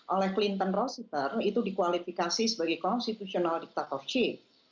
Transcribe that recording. oleh clinton rosethal itu dikualifikasi sebagai constitutional dictatorship